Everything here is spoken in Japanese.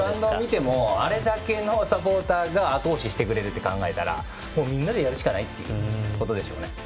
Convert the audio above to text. あれだけのサポーターがあと押ししてくれると考えたらみんなでやるしかないというところでしょうね。